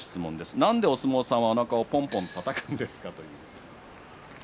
なんで、お相撲さんは、おなかをぽんぽんたたくんですか？